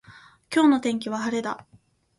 今日の天気は晴れだ。